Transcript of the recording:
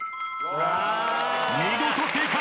見事正解。